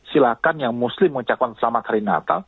silahkan yang muslim mengucapkan selamat hari natal